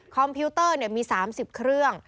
พิวเตอร์มี๓๐เครื่อง